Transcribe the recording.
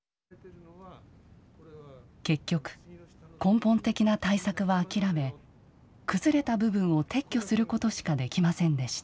結局根本的な対策は諦め崩れた部分を撤去することしかできませんでした。